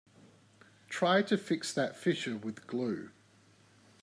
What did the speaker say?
Try to fix that fissure with glue.